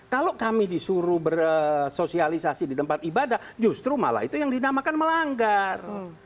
kalau kami disuruh bersosialisasi di tempat ibadah justru malah itu yang dinamakan melanggar